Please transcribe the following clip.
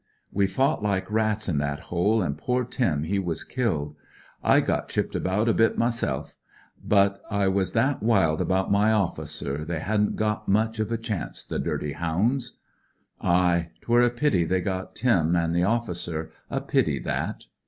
We fought like rats in that hole, an' poor Tim he was kiUed. I got chipped about a bit meself; but I was ih wild about my officer, they 228 " rrS A GREAT DO " hadn't got much of a chance, the dirty hounds !)*(( Aye, 't'were a pity they got Tim an* the officer; a pity that."